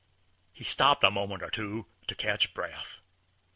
He stopped a moment or two to catch breath.